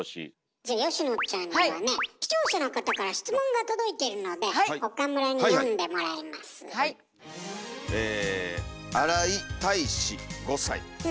じゃ佳乃ちゃんにはね視聴者の方から質問が届いてるので岡村に読んでもらいます。